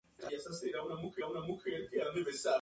La iglesia es parte de la Arquidiócesis de Nueva York.